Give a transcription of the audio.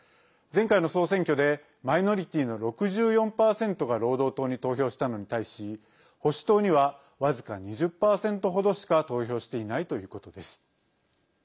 前回の総選挙でマイノリティーの６４％が労働党に投票したのに対し保守党には僅か２０％程しか投票していないということです。